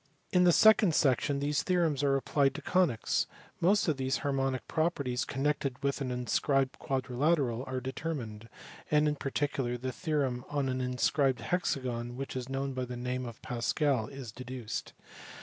In the second section these theorems are applied to conies ; most of the harmonic pro perties connected with an inscribed quadrilateral are deter mined ; and in particular the theorem on an inscribed hexagon which is known by the name of Pascal is deduced.